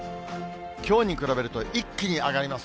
きょうに比べると一気に上がります。